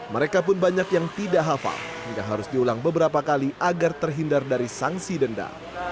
mereka pun banyak yang tidak hafal hingga harus diulang beberapa kali agar terhindar dari sanksi denda